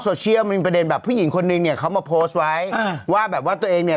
โซเชียลมันมีประเด็นแบบผู้หญิงคนนึงเนี่ยเขามาโพสต์ไว้อ่าว่าแบบว่าตัวเองเนี่ย